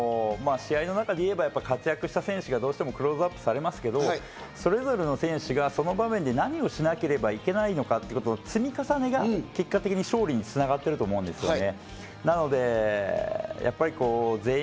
試合の中で言えば活躍した選手がどうしてもクローズアップされますけど、それぞれの選手が何をしなければいけないのか、積み重ねが結果的に勝利に繋がっていると思うんですね。